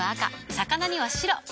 魚には白。